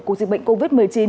của dịch bệnh covid một mươi chín